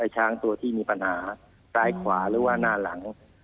ช้างตัวที่มีปัญหาซ้ายขวาหรือว่าหน้าหลัง